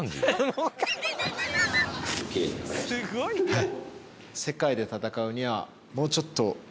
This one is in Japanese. はい。